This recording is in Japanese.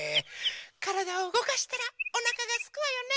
からだをうごかしたらおなかがすくわよね。